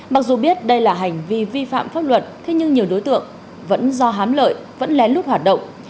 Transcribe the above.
mặc dù biết đây là hành vi vi phạm pháp luật thế nhưng nhiều đối tượng vẫn do hám lợi vẫn lén lút hoạt động